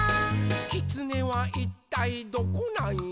「きつねはいったいどこなんよ？」